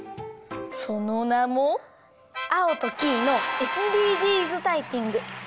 そのなも「アオとキイのＳＤＧｓタイピング」。